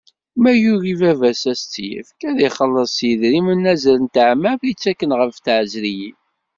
Ma yugi baba-s ad s-tt-ifk, ad ixelleṣ s yidrimen azal n teɛmamt i ttaken ɣef tɛezriyin.